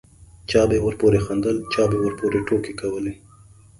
چا به ورپورې خندل چا به ورپورې ټوکې کولې.